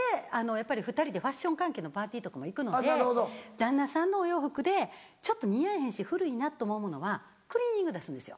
やっぱり２人でファッション関係のパーティーとかも行くので旦那さんのお洋服で似合えへんし古いなと思うものはクリーニング出すんですよ。